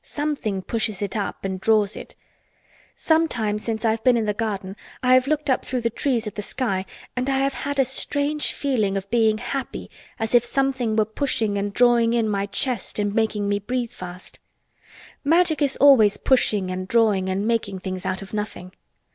Something pushes it up and draws it. Sometimes since I've been in the garden I've looked up through the trees at the sky and I have had a strange feeling of being happy as if something were pushing and drawing in my chest and making me breathe fast. Magic is always pushing and drawing and making things out of nothing.